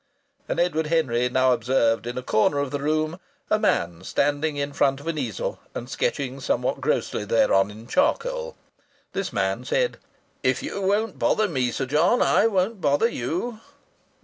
And Edward Henry now observed in a corner of the room a man, standing in front of an easel and sketching somewhat grossly thereon in charcoal. This man said: "If you won't bother me, Sir John, I won't bother you."